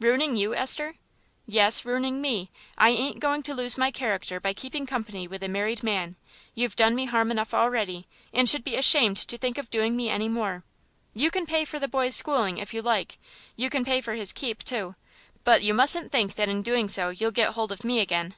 "Ruining you, Esther?" "Yes, ruining me. I ain't going to lose my character by keeping company with a married man. You've done me harm enough already, and should be ashamed to think of doing me any more. You can pay for the boy's schooling if you like, you can pay for his keep too, but you mustn't think that in doing so you'll get hold of me again."